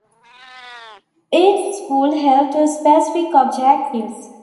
Each school held to specific objectives.